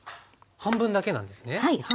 半分だけなんです。